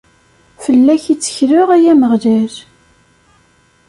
Fell-ak i ttekleɣ, ay Ameɣlal.